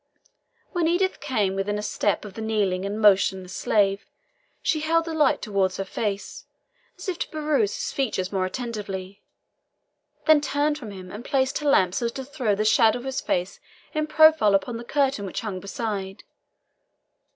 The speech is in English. When Edith came within a step of the kneeling and motionless slave, she held the light towards his face, as if to peruse his features more attentively, then turned from him, and placed her lamp so as to throw the shadow of his face in profile upon the curtain which hung beside.